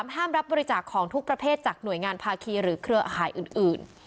ห้ามรับบริจาคของทุกประเภทจากหน่วยงานภาคีหรือเครือข่ายอื่น